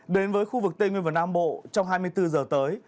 đến với khu vực tây nguyên và nam bộ trong hai mươi bốn giờ tới